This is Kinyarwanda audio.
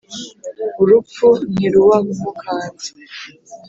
Urupfu ntiruwamukanze